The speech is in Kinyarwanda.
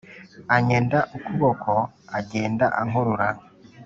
anyenda ukuboko agenda ankurura